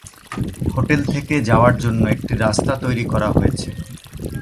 Hotel থেকে যাওয়ার জন্য একটি রাস্তা তৈরি করা হয়েছে।